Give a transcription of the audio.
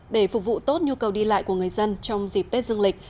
để phục vụ tốt nhu cầu đi lại của người dân trong dịp tết dương lịch